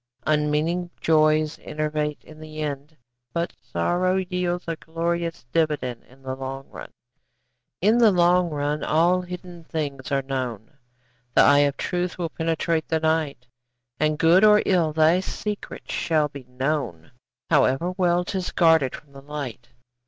Unmeaning joys enervate in the end, But sorrow yields a glorious dividend In the long run. In the long run all hidden things are known, The eye of truth will penetrate the night, And good or ill, thy secret shall be known, However well 'tis guarded from the light.